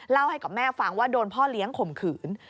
เล่าให้กับแม่ฟังว่าโดนพ่อเลี้ยงข่มขืน